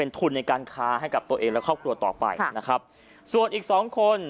ทุนในการค้าให้กับตัวเองและครอบครัวต่อไปนะครับส่วนอีกสองคน